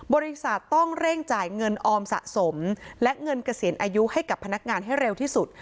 บริษัทต้องเร่งจ่ายเงินออมสะสมและเงินเกษียณอายุให้กับพนักงานให้เร็วที่สุด